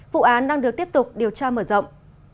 vụ án đang được tiếp tục điều tra mở rộng